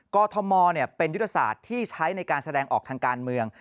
กรทมเป็นยุทธศาสตร์ที่ใช้ในการแสดงออกทางการเมือง